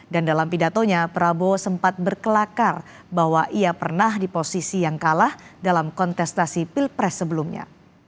dan dalam pidatonya prabowo sempat berkelakar bahwa ia pernah di posisi yang kalah dalam kontestasi pilpres sebelumnya